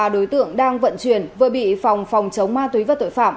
ba đối tượng đang vận chuyển vừa bị phòng phòng chống ma túy và tội phạm